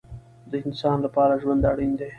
د انسان لپاره ژوند اړین دی